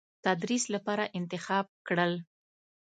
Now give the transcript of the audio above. تدریس لپاره انتخاب کړل.